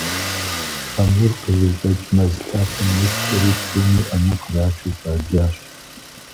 Амур къызыщыкӀ мэз лъапэм нэсхэри, псоми аму кърачу щӀадзащ.